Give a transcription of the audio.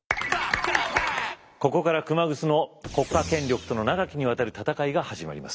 ここから熊楠の国家権力との長きにわたる戦いが始まります。